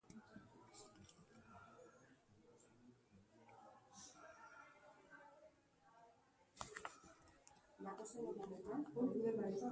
Lanean berriro onartzea edota kalte-ordaina ordaintzeko aukera eman du.